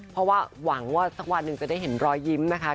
เพราะว่าหวังว่าสักวันหนึ่งจะได้เห็นรอยยิ้มนะคะ